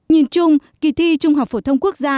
nhìn chung kỳ thi trung học phổ thông quốc gia